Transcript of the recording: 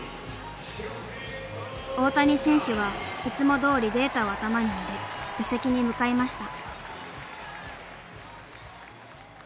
大谷選手はいつもどおりデータを頭に入れ打席に向かいました。